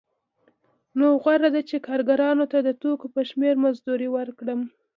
نو غوره ده چې کارګرانو ته د توکو په شمېر مزد ورکړم